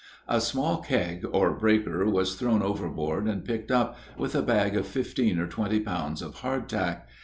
A small keg, or breaker, was thrown overboard and picked up, with a bag of fifteen or twenty pounds of hardtack.